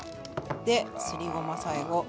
ですりごま最後。